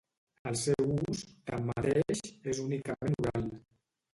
El seu ús, tanmateix, és únicament oral.